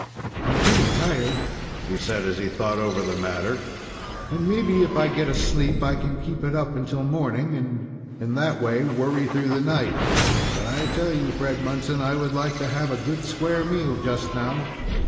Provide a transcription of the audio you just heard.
"I'm pretty tired," he said, as he thought over the matter, "and, maybe, if I get asleep, I can keep it up until morning, and in that way worry through the night. But I tell you, Fred Munson, I would like to have a good square meal just now.